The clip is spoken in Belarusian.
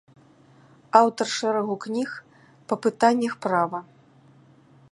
Аўтар шэрагу кніг па пытаннях права.